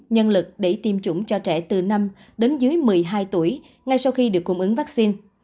nhân lực để tiêm chủng cho trẻ từ năm đến dưới một mươi hai tuổi ngay sau khi được cung ứng vaccine